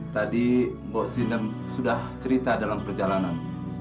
tadi bu sina sudah cerita dalam perjalanan